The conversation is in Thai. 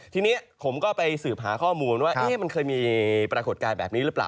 ทีนี้ผมก็ไปสืบหาข้อมูลว่ามันเคยมีปรากฏการณ์แบบนี้หรือเปล่า